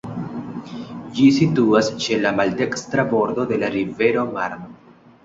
Ĝi situas ĉe la maldekstra bordo de la rivero Marno.